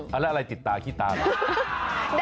เอาแล้วอะไรติดตาขี้ตาเหรอ